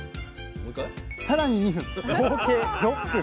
さらに２分。